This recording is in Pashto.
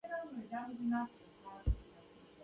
د غاړې د درد لپاره باید څه وکړم؟